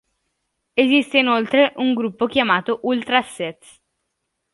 Esiste inoltre un gruppo chiamato "Ultras Sez.